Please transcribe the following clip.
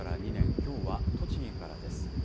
きょうは栃木からです。